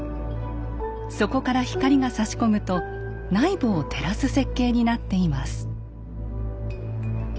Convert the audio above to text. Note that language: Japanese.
そこから光がさし込むと内部を照らす設計になっています。